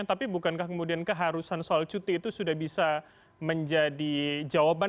tapi bukankah kemudian keharusan soal cuti itu sudah bisa menjadi jawaban